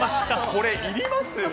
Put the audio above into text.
これ、いります？